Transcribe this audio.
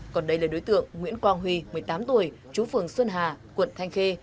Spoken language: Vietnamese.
còn đây là đối tượng nguyễn quang huy một mươi tám tuổi chú phường xuân hà quận thanh khê